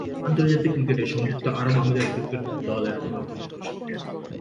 আন্তর্জাতিক ক্রিকেটে সংযুক্ত আরব আমিরাত ক্রিকেট দলের অন্যতম সদস্য তিনি।